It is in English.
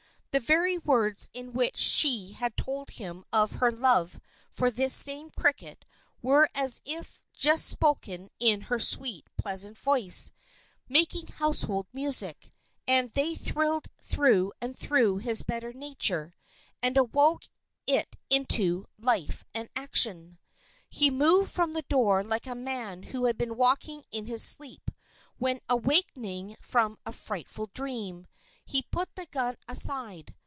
The very words in which she had told him of her love for this same cricket were as if just spoken in her sweet, pleasant voice, making household music; and they thrilled through and through his better nature, and awoke it into life and action. He moved from the door like a man who had been walking in his sleep when awakening from a frightful dream. He put the gun aside.